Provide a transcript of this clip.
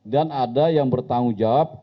dan ada yang bertanggung jawab